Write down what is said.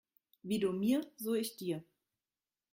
Wie du mir, so ich dir.